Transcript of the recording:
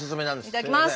いただきます。